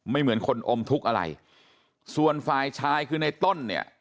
เหมือนคนอมทุกข์อะไรส่วนฝ่ายชายคือในต้นเนี่ย